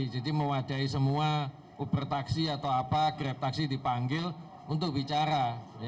jadi mewadahi semua ubertaksi atau apa greptaksi dipanggil untuk bicara